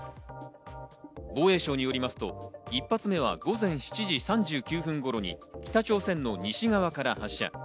防衛省によりますと、１発目は午前７時３９分頃に北朝鮮の西側から発射。